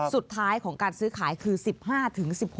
สุดท้ายของการซื้อขายคือ๑๕๑๖